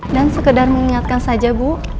dan sekedar mengingatkan saja bu